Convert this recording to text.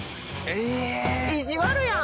意地悪やん！